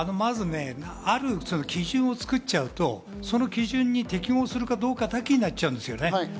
ある基準を作っちゃうと、その基準に適合するかどうかだけになっちゃうんですよね。